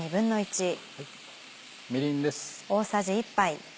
みりんです。